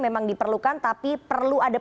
memang diperlukan tapi perlu ada